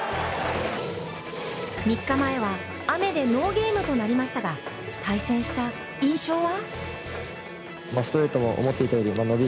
３日前は雨でノーゲームとなりましたが、対戦した印象は？